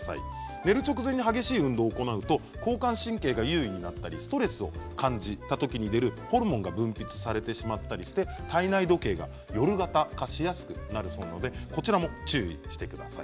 寝る直前に激しい運動を行うと交感神経が優位になったりストレスを感じた時に出るホルモンが分泌されてしまって体内時計が夜型化しやすくなりますのでこちらも注意してください。